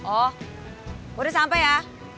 oh udah sampai ya